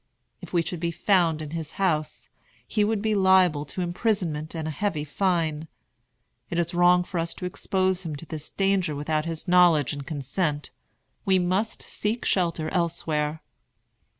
If we should be found in his house, he would be liable to imprisonment and a heavy fine. It is wrong for us to expose him to this danger without his knowledge and consent. We must seek shelter elsewhere."